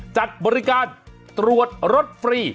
จัดบริการตรวจรถฟรี